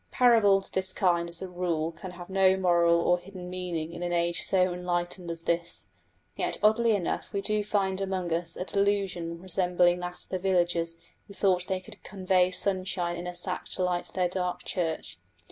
Parables of this kind as a rule can have no moral or hidden meaning in an age so enlightened as this; yet oddly enough we do find among us a delusion resembling that of the villagers who thought they could convey sunshine in a sack to light their dark church.